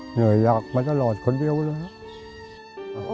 เหนื่อยยักษ์มาตลอดคนเดียวแล้ว